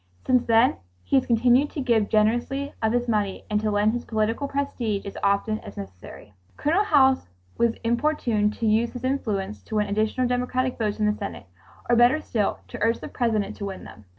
Since then he has continued to give generously of his money and to lend his political prestige as often as necessary. Colonel House was importuned to use his influence to win additional Democratic votes in the Senate, or better still to urge the President to win them.